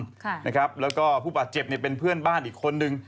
ค่ะนะครับแล้วก็ผู้บาดเจ็บเนี่ยเป็นเพื่อนบ้านอีกคนนึง